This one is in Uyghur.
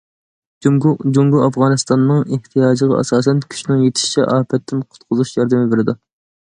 جۇڭگو ئافغانىستاننىڭ ئېھتىياجىغا ئاساسەن، كۈچىنىڭ يېتىشىچە ئاپەتتىن قۇتقۇزۇش ياردىمى بېرىدۇ.